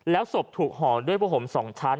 แล้วศพถูกห่อนด้วยผู้ห่ม๒ชั้น